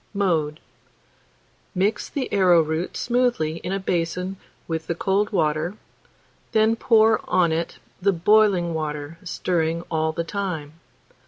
Mode. Mix the arrowroot smoothly in a basin with the cold water, then pour on it the boiling water, stirring all the time.